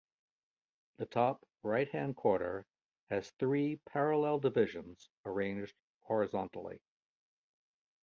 The top right-hand quarter has three parallel divisions arranged horizontally.